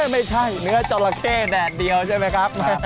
ไม่ใช่เนื้อจราเข้แดดเดียวใช่ไหมครับ